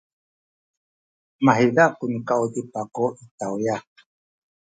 mahiza ku nikauzip aku i tawya.